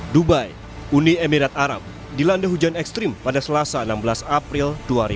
dubai uni emirat arab dilanda hujan ekstrim pada selasa enam belas april dua ribu dua puluh